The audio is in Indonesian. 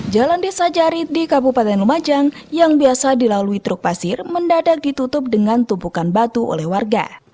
jalan desa jarit di kabupaten lumajang yang biasa dilalui truk pasir mendadak ditutup dengan tumpukan batu oleh warga